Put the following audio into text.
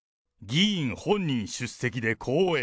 議員本人出席で講演。